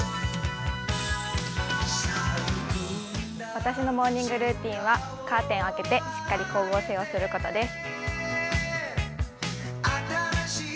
私のモーニングルーチンはカーテンを開けて、しっかり光合成をすることです。